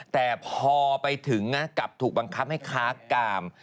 แต่พอไปถึงกลับถูกบังคับให้ค้ากาม